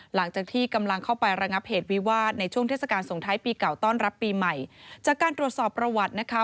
หลังจากที่กำลังเข้าไประงับเหตุวิวาสในช่วงเทศกาลสงท้ายปีเก่าต้อนรับปีใหม่จากการตรวจสอบประวัตินะคะ